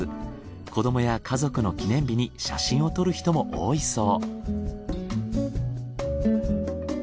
子どもや家族の記念日に写真を撮る人も多いそう。